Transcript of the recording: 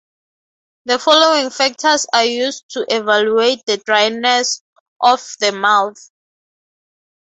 The following factors are used to evaluate the dryness of the mouth.